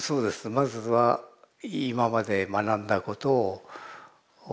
まずは今まで学んだことを忘れる。